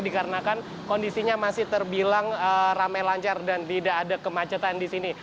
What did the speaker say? dikarenakan kondisinya masih terbilang ramai lancar dan tidak ada kemacetan di sini